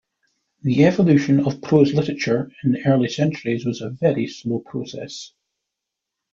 The evolution of prose literature in the early centuries was a very slow process.